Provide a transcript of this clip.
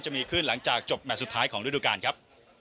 จะมีขึ้นหลังจากจบแมทสุดท้ายของฤดูกาลครับ